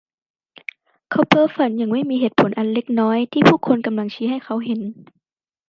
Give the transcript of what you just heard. เขาเพ้อฝันอย่างไม่มีเหตุผลอันเล็กน้อยที่ผู้คนกำลังชี้ให้เขาเห็น